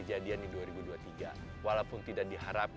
jadi terima kasih